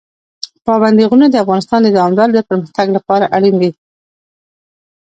پابندي غرونه د افغانستان د دوامداره پرمختګ لپاره اړین دي.